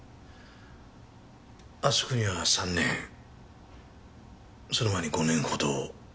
あそこには３年その前に５年ほどあちこち。